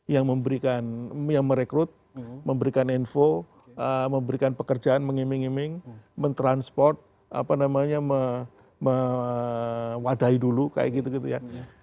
yang merekrut memberikan info memberikan pekerjaan mengiming iming mentransport mewadahi dulu kayak gitu gitu ya